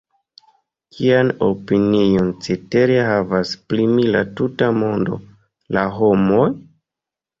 Kian opinion cetere havas pri mi la tuta mondo, la homoj?